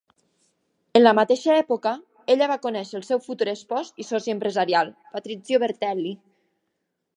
En la mateixa època, ella va conèixer el seu futur espòs i soci empresarial, Patrizio Bertelli.